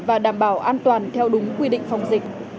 và đảm bảo an toàn theo đúng quy định phòng dịch